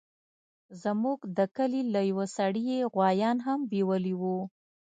زموږ د کلي له يوه سړي يې غويان هم بيولي وو.